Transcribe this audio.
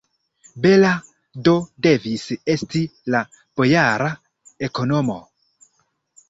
Bela do devis esti la bojara ekonomo!